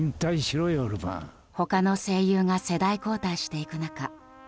他の声優が世代交代していく中